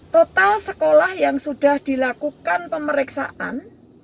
total sekolah yang sudah dilakukan pemeriksaan